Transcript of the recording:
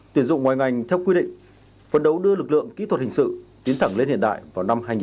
tuyển dụng ngoài ngành theo quy định phấn đấu đưa lực lượng kỹ thuật hình sự tiến thẳng lên hiện đại vào năm hai nghìn hai mươi